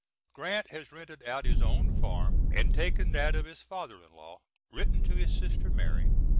Grant has rented out his own farm, and taken that of his father in law. Written to his sister Mary.